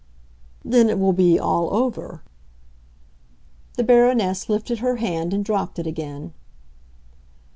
"Then it will be all over?" The Baroness lifted her hand, and dropped it again.